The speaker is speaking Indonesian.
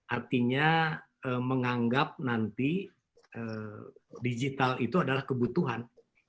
artinya menganggap nanti digital itu adalah kebutuhan